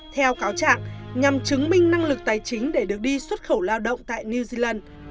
theo cáo trạng nhằm chứng minh năng lực tài chính để được đi xuất khẩu lao động tại new zealand